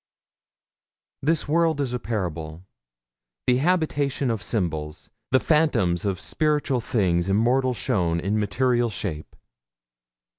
This world is a parable the habitation of symbols the phantoms of spiritual things immortal shown in material shape.